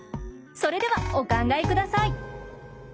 それではお考えください。